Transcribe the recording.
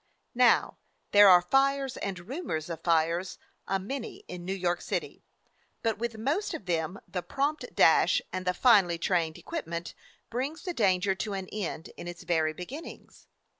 Now, there are fires and rumors of fires a many in New York City, but with most of them the prompt dash and the finely trained equipment brings the danger to an end in its very beginnings.